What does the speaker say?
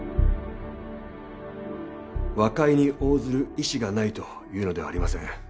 和解に応ずる意思がないというのではありません。